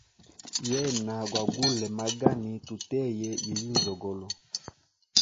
Yena gwa gule magani tuteye yiyi nzogolo.